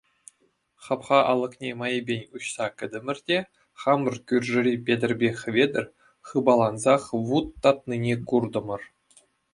Хапха алӑкне майӗпен уҫса кӗтӗмӗр те хамӑр кӳршӗри Петӗрпе Хӗветӗр хыпалансах вут татнине куртӑмӑр.